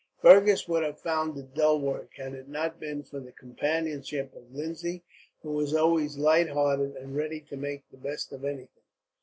Fergus would have found it dull work, had it not been for the companionship of Lindsay, who was always light hearted, and ready to make the best of everything.